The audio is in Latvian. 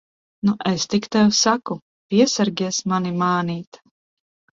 Nu, es tik tev saku, piesargies mani mānīt!